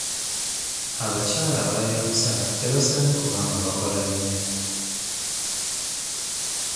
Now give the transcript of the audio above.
Abakyala abayonsa tebasaanye kuba nga bakola nnyo.